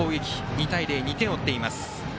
２対０、２点を追っています。